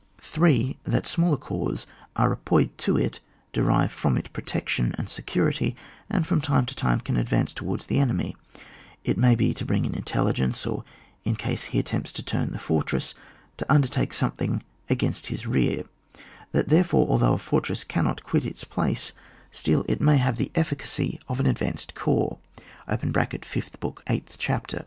(3.) That smaller corps are appuyed on it, derive from it protection and security, and from time to time can ad vance towards the enemy, it may be to bring in intelligence, or, in case he at tempts to turn the fortress, to under dertake something against his rear ; that therefore although a fortress, cannot quit its place, still it may have the efficacy of an advanced corps (Fifth Book, eighth Chapter).